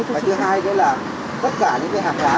và thứ hai nữa là tất cả những cái hàng hóa